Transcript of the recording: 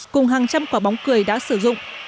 cùng hàng trăm quả bóng cười đã sử dụng